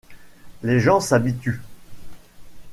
Les gens s’habituent.